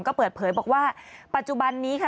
ก็เปิดเผยบอกว่าปัจจุบันนี้ค่ะ